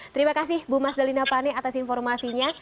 terima kasih bu mas dalina pane atas informasinya